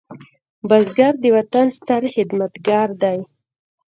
بزګر د وطن ستر خدمتګار دی